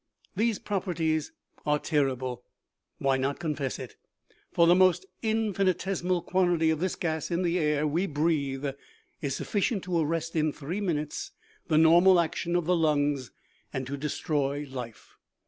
" These properties are terrible ; why not confess it ? For the most infinitesimal quantity of this gas in the air we breathe is sufficient to arrest in three minutes the nor mal action of the lungs and to destroy life.